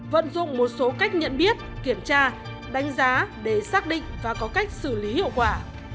vận dụng một số cách nhận biết kiểm tra đánh giá để xác định và có cách xử lý hiệu quả